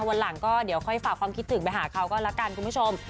วันหลังก็เดี๋ยวค่อยฝากความคิดถึงไปหาเขาก็ละกันคุณผู้ชม